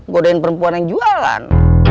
godain perempuan yang jualan